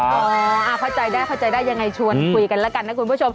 เข้าใจได้เข้าใจได้ยังไงชวนคุยกันแล้วกันนะคุณผู้ชม